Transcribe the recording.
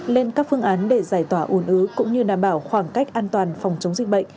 lên các phương án để giải tỏa ồn ứ cũng như đảm bảo khoảng cách an toàn phòng chống dịch bệnh